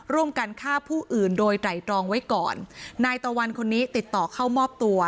ร่วมกันฆ่าผู้อื่นโดยไตรตรองไว้ก่อนนายตะวันคนนี้ติดต่อเข้ามอบตัว